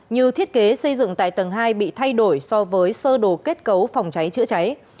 như thiết kế xây dựng tại tầng hai bị thay đổi so với sơ đồ kết cấu phòng cháy chữa cháy